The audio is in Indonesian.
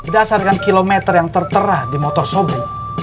dasarkan kilometer yang tertera di motor sobi